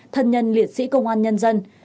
thân nhân liệt sĩ công an nhân dân việt nam